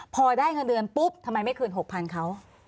พอได้เงินเดือนปุ๊บทำไมไม่คืน๖๐๐๐เขา